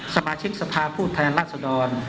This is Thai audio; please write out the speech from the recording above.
สมาชิกสภาพผู้แทนรัศดร